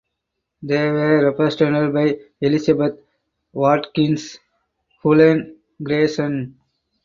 They were represented by Elizabeth Watkins Hulen Grayson.